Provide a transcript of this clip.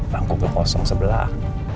bangku gue kosong sebelah